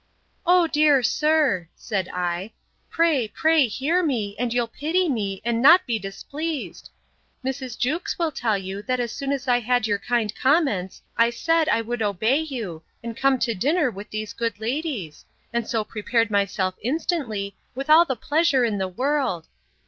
O dear sir, said I, pray, pray, hear me, and you'll pity me, and not be displeased! Mrs. Jewkes will tell you, that as soon as I had your kind commands, I said, I would obey you, and come to dinner with these good ladies; and so prepared myself instantly, with all the pleasure in the world.